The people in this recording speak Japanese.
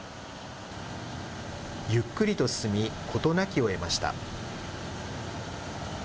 ゆっくりと進み、事なきを得ました。